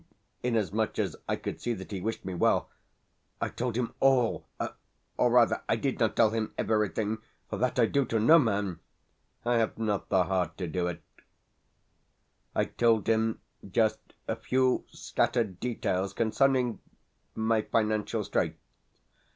and inasmuch as I could see that he wished me well, I told him all or, rather, I did not tell him EVERYTHING, for that I do to no man (I have not the heart to do it); I told him just a few scattered details concerning my financial straits.